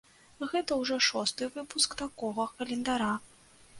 Гэта ўжо шосты выпуск такога календара.